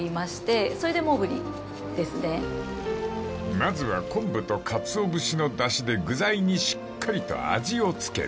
［まずはコンブとかつお節のだしで具材にしっかりと味を付ける］